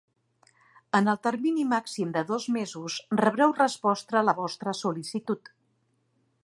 En el termini màxim de dos mesos rebreu resposta a la vostra sol·licitud.